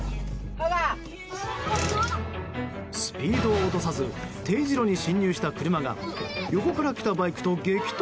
スピードを落とさず丁字路に進入した車が横から来たバイクと激突。